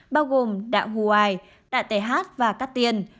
bao gồm đạ hù ai đạ tề hát và cát tiên